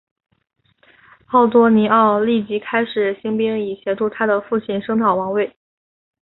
奥多尼奥立即开始兴兵以协助他的父亲声讨王位。